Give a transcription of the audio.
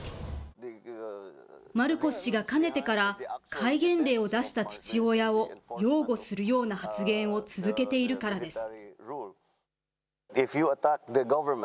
マルコス氏がかねてから戒厳令を出した父親を擁護するような発言を続けているからです。